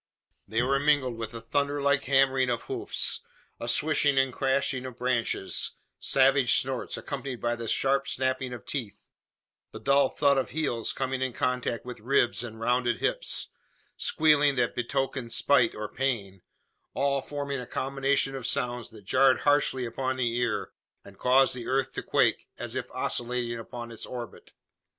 They were mingled with a thunder like hammering of hoofs a swishing and crashing of branches savage snorts, accompanied by the sharp snapping of teeth the dull "thud" of heels coming in contact with ribs and rounded hips squealing that betokened spite or pain all forming a combination of sounds that jarred harshly upon the ear, and caused the earth to quake, as if oscillating upon its orbit!